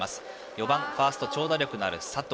４番ファースト長打力のある佐藤。